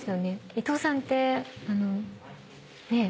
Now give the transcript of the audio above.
伊藤さんってあのねえ。